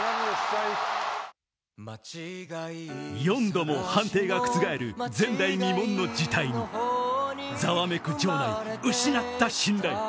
４度も判定が覆る前代未聞の事態にざわめく場内、失った信頼。